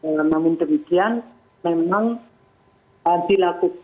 namun demikian memang dilakukan